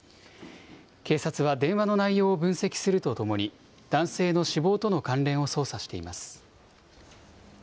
警察は電話の内容を分析するとともに、男性の死亡との関連を捜査